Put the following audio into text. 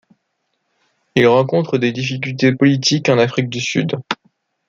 Il rencontre des difficultés politiques en Afrique du Sud.